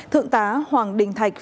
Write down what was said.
thượng tá hoàng đình thạch